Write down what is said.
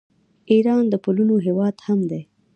ایران د پلونو هیواد هم دی.